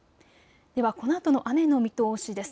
では、このあとの雨の見通しです。